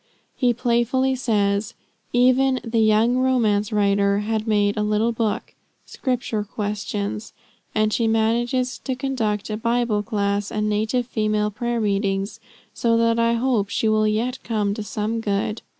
He playfully says: "Even 'the young romance writer' had made a little book, (Scripture questions,) and she manages to conduct a Bible class, and native female prayer meetings, so that I hope she will yet come to some good."